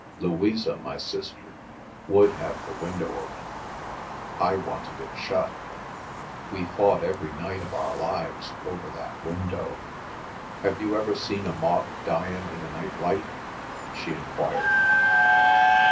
Louisa, my sister, would have the window open. I wanted it shut. We fought every night of our lives over that window. Have you ever seen a moth dyin' in a night light?" she enquired.